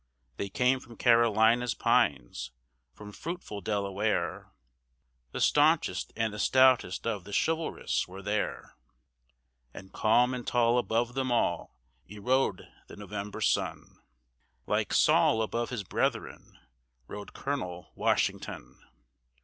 They came from Carolina's pines, from fruitful Delaware The staunchest and the stoutest of the chivalrous were there; And calm and tall above them all, i' the red November sun, Like Saul above his brethren, rode Colonel Washington.